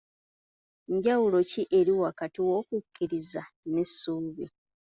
Njawulo ki eri wakati w'okukkiriza n'essuubi?